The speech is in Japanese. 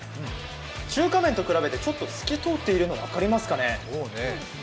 中華麺と比べて、ちょっと透き通っているのが分かりますかね？